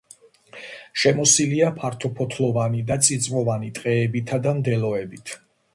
შემოსილია ფართოფოთლოვანი და წიწვოვანი ტყეებითა და მდელოებით.